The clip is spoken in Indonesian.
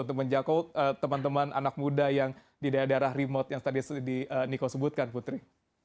untuk menjangkau teman teman anak muda yang di daerah daerah remote yang tadi niko sebutkan putri